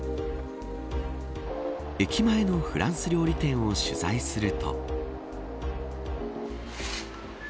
駅前のフランス料理店を取材すると。